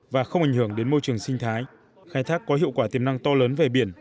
và không ảnh hưởng đến môi trường sinh thái khai thác có hiệu quả tiềm năng to lớn về biển